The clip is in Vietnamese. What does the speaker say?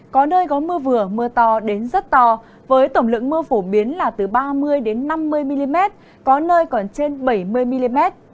có nơi có mưa vừa mưa to đến rất to với tổng lượng mưa phổ biến là từ ba mươi năm mươi mm có nơi còn trên bảy mươi mm